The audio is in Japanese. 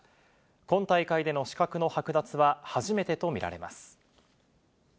今大会での資格の剥奪は初めてと見られます。